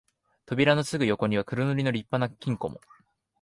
扉のすぐ横には黒塗りの立派な金庫も、